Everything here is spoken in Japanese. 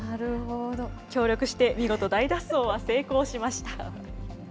協力して、見事、大脱走は成功しました。